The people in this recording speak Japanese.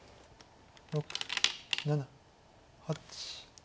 ６７８。